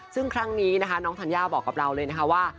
ซึ่งครั้งนี้นะคะน้องธัญญาบอกกับเราเลยนะคะว่า